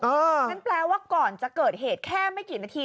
งั้นแปลว่าก่อนจะเกิดเหตุแค่ไม่กี่นาที